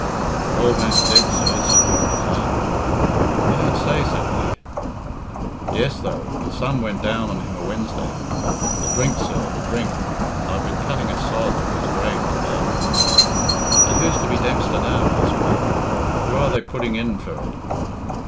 "The old man's dead, sir," said John the Clerk. "You don't say?" said Pete. "Yes, though; the sun went down on him a Wednesday. The drink, sir, the drink! I've been cutting a sod of his grave to day." "And who's to be Dempster now?" asked Pete. "Who are they putting in for it?"